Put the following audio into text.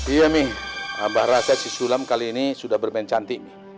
iya mi abah rasa si sulam kali ini sudah bermain cantik mi